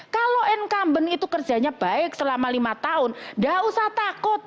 kalau incumbent itu kerjanya baik selama lima tahun tidak usah takut